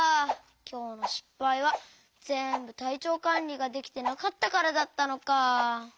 きょうのしっぱいはぜんぶたいちょうかんりができてなかったからだったのか。